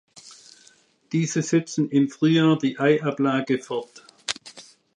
Diese setzen im Frühjahr die Eiablage fort.